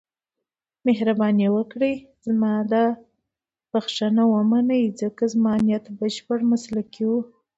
مهرباني وکړئ زما دا بښنه ومنئ، ځکه زما نیت بشپړ مسلکي و.